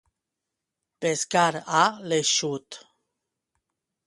Pescar a l'eixut.